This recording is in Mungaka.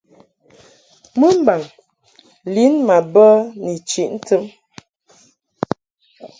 Mɨmbaŋ lin ma bə ni chiʼ ntɨm.